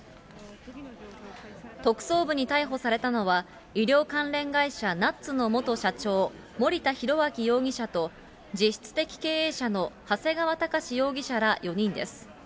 特捜部に逮捕されたのは、医療関連会社、ナッツの元社長、森田浩章容疑者と、実質的経営者の長谷川隆志容疑者ら４人です。